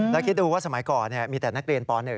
แล้วคิดดูว่าสมัยก่อนมีแต่นักเรียนป๑